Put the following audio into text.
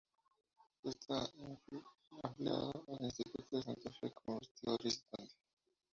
Está afiliado al Instituto Santa Fe como investigador visitante.